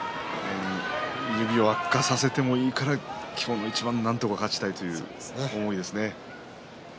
指を悪化させてもいいから今日の一番なんとか勝ちたいという思いですね。